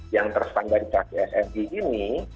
yang ter spandarisasi sni ini